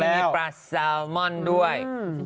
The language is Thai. เช็ดแรงไปนี่